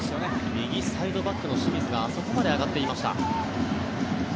右サイドバックの清水があそこまで上がっていました。